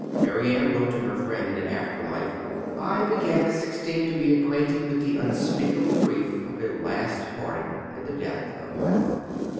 Mary Ann wrote to a friend in after life, "I began at sixteen to be acquainted with the unspeakable grief of a last parting, in the death of my mother."